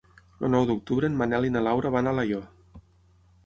El nou d'octubre en Manel i na Laura van a Alaior.